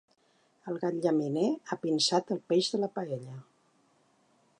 El gat llaminer ha pinçat el peix de la paella.